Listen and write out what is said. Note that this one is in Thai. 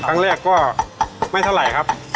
ครั้งแรกก็ไม่เท่าไหร่ครับ